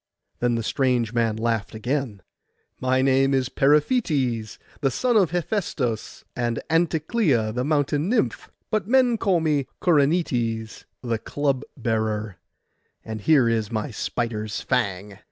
Then the strange man laughed again— 'My name is Periphetes, the son of Hephaistos and Anticleia the mountain nymph. But men call me Corynetes the club bearer; and here is my spider's fang.